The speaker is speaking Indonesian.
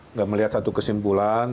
nggak melihat satu kesimpulan